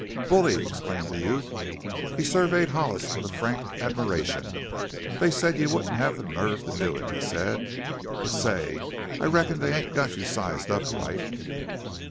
"Bully!" exclaimed the youth. He surveyed Hollis with a frank admiration. "They said you wouldn't have the nerve to do it," he said; "but, say! I reckon they ain't got you sized up right!"